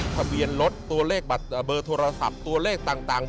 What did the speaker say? ทะเบียนรถตัวเลขเบอร์โทรศัพท์ตัวเลขต่าง